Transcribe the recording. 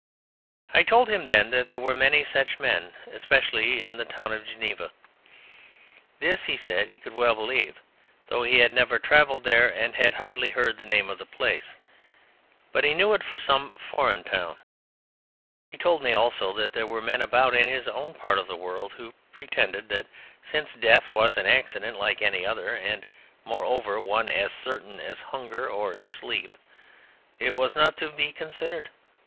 I told him then that there were many such men, especially in the town of Geneva. This, he said, he could well believe, though he had never travelled there, and had hardly heard the name of the place. But he knew it for some foreign town. He told me, also, that there were men about in his own part of the world who pretended that since Death was an accident like any other, and, moreover, one as certain as hunger or as sleep, it was not to be considered.